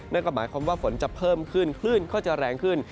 นั่นก็หมายความว่าฝนจะเพิ่มขึ้นคลื่นก็จะแรงขึ้น